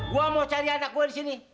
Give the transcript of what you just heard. gua mau cari anak gue disini